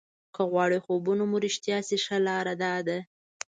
که غواړئ خوبونه مو رښتیا شي ښه لاره داده.